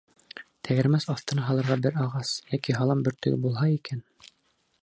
Тәгәрмәс аҫтына һалырға бер ағас йәки һалам бөртөгө булһа икән!